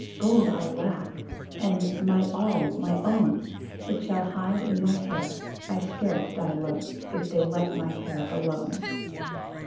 Gold I lack ; and, my all, my own, It shall hide in my hair. I scarce die loth If they let my hair alone